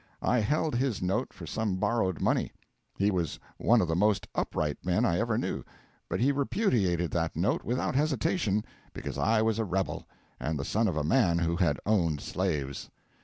I held his note for some borrowed money. He was one of the most upright men I ever knew; but he repudiated that note without hesitation, because I was a rebel, and the son of a man who had owned slaves.